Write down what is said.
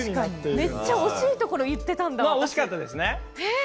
めっちゃ惜しいところ言っていたんだ。